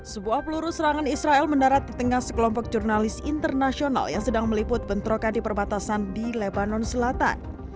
sebuah peluru serangan israel mendarat di tengah sekelompok jurnalis internasional yang sedang meliput bentrokan di perbatasan di lebanon selatan